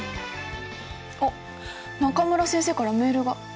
あっ中村先生からメールが。